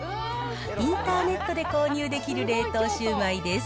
インターネットで購入できる冷凍シュウマイです。